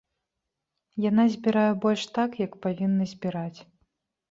Яна збірае больш так, як павінна збіраць.